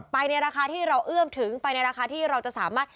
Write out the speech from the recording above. ในราคาที่เราเอื้อมถึงไปในราคาที่เราจะสามารถ